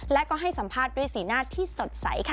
และก็ให้สัมภาษณ์ด้วยสีหน้าที่สดใสค่ะ